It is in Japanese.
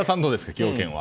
崎陽軒は。